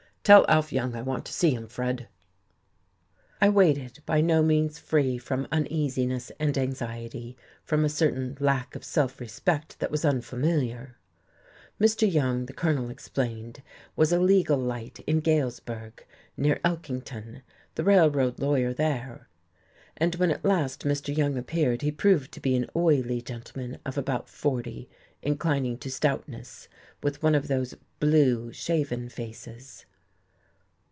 "Tell Alf Young I want to see him, Fred." I waited, by no means free from uneasiness and anxiety, from a certain lack of self respect that was unfamiliar. Mr. Young, the Colonel explained, was a legal light in Galesburg, near Elkington, the Railroad lawyer there. And when at last Mr. Young appeared he proved to be an oily gentleman of about forty, inclining to stoutness, with one of those "blue," shaven faces.